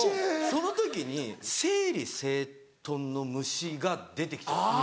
その時に整理整頓の虫が出てきちゃう。